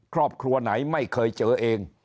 ครอบครัวไหนไม่เคยเจอเอง